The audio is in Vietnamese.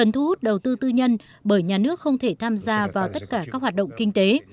tư tư nhân bởi nhà nước không thể tham gia vào tất cả các hoạt động kinh tế